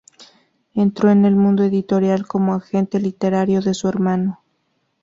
Entró en el mundo editorial como agente literario de su hermano.